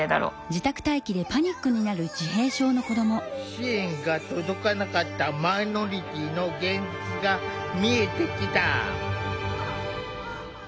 支援が届かなかったマイノリティーの現実が見えてきた。